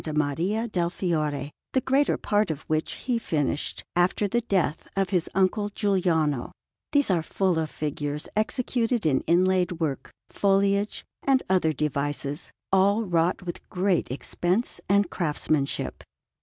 Maria del Fiore, the greater part of which he finished after the death of his uncle Giuliano; these are full of figures executed in inlaid work, foliage, and other devices, all wrought with great expense and craftsmanship.